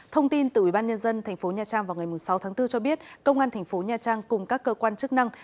thông tin từ ubnd tp nha trang vào ngày sáu tháng bốn cho biết công an thành phố nha trang cùng các cơ quan chức năng